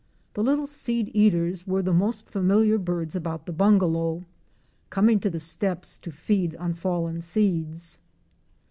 The little Seedeaters were the most familiar birds about the bungalow, coming to the steps to feed on fallen seeds.